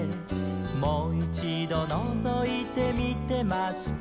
「もいちどのぞいてみてました」